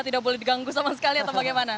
tidak boleh diganggu sama sekali atau bagaimana